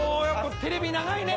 テレビ長い。